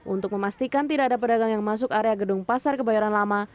untuk memastikan tidak ada pedagang yang masuk area gedung pasar kebayoran lama